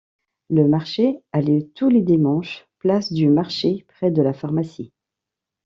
Le marché a lieu tous les dimanches place du marché, près de la pharmacie.